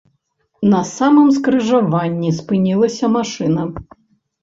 На самым скрыжаванні спынілася машына.